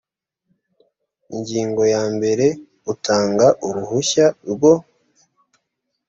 ingingo ya mbere utanga uruhushya rwo